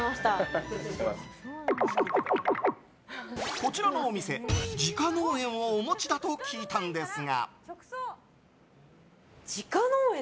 こちらのお店、自家農園をお持ちだと聞いたんですが。